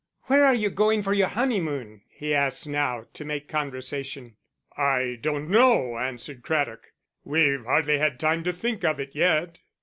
"Where are you going for your honeymoon?" he asked now, to make conversation. "I don't know," answered Craddock. "We've hardly had time to think of it yet."